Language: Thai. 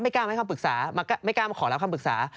กล้าให้คำปรึกษาไม่กล้ามาขอรับคำปรึกษา